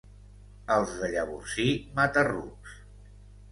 Els de Llavorsí, mata-rucs.